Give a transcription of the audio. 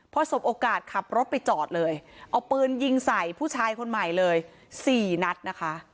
พอสบโอกาสขับรถไปจอดเลยเอาปืนยิงใส่ผู้ชายคนใหม่เลยสี่นัดนะคะ